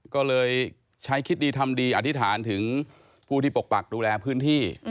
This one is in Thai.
ก็เลยใช้คิดดีทำดีอธิษฐานถึงผู้ที่ปกปักดูแลพื้นที่